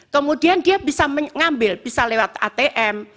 kemudian dia bisa mengambil bisa lewat atm